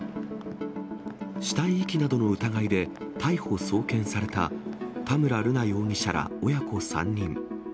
死体遺棄などの疑いで逮捕・送検された田村瑠奈容疑者ら親子３人。